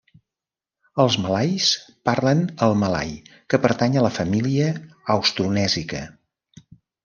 Els malais parlen el malai que pertany a la família austronèsica.